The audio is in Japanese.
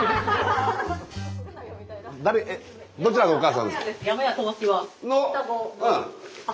どちらがお母さんですか？